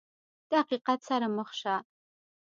د حقیقت سره مخ شه !